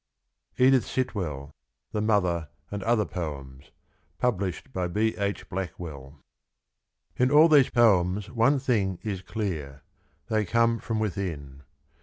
Edith Sitwell. THE MOTHER, AND OTHER POEMS. Published by B. H. Blackwell. In all these poems one thing is clear. They come from within.